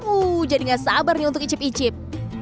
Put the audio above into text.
uh jadi gak sabar nih untuk icip icip